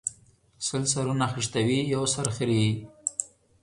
سل سرونه خشتوي ، يو سر خريي